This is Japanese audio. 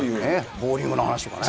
ボウリングの話とかね。